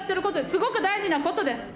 すごく大事なことです。